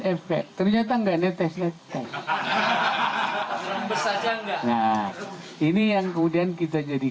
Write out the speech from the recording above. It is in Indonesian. efek ternyata enggak netes aja enggak ini yang kemudian kita jadi